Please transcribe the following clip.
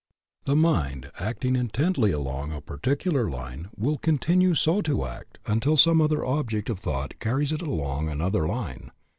The mind acting intently along a particular line will continue so to act until some other object of thought carries it along another line.